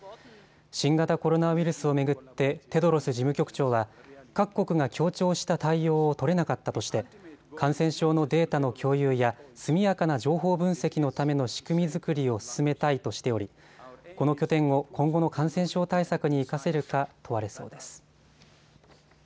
新型コロナウイルスを巡ってテドロス事務局長は各国が協調した対応を取れなかったとして感染症のデータの共有や速やかな情報分析のための仕組み作りを進めたいとしており、この拠点を今後の感染症対策に生かせるか問われそうです。